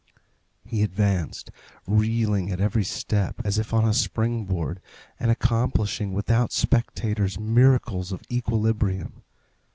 He advanced, reeling at every step, as if on a spring board, and accomplishing, without spectators, miracles of equilibrium.